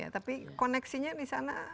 tapi koneksinya disana